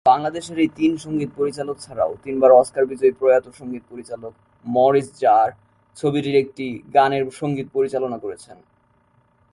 বাংলাদেশের এই তিন সংগীত পরিচালক ছাড়াও তিনবার অস্কার বিজয়ী প্রয়াত সংগীত পরিচালক মরিস জার ছবিটির একটি গানের সংগীত পরিচালনা করেছেন।